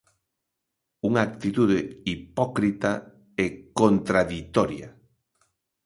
Unha actitude "hipócrita" e "contraditoria".